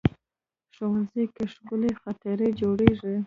ښوونځی کې ښکلي خاطرې جوړېږي